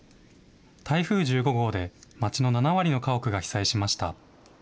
台風１５号で町の７割の家屋が被災しました。